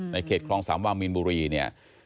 ในเขตครอง๓วามีนบุรี